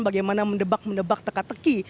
bagaimana mendebak mendebak teka teki